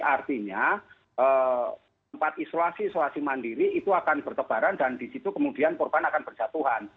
artinya tempat isolasi isolasi mandiri itu akan bertebaran dan di situ kemudian korban akan berjatuhan